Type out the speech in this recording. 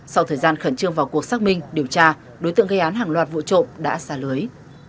sau thời gian khẩn trương vào cuộc xác minh điều tra đối tượng gây án hàng loạt vụ trộm đã xả lưới